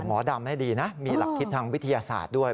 หมอดำให้ดีนะมีหลักคิดทางวิทยาศาสตร์ด้วย